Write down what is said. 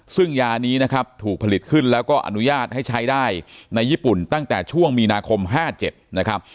ซึ่งยานี้นะครับถูกผลิตขึ้นแล้วก็อนุญาตให้ใช้ได้ในญี่ปุ่นตั้งแต่ช่วงมีนาคม๕๗นะครับ